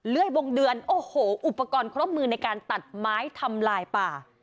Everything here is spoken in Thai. เลื่อยวงเดือนโอ้โหอุปกรณ์ครบมือในการตัดไม้ทำลายป่า